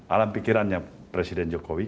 alam pikirannya presiden jokowi